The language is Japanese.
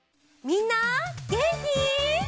みんなげんき？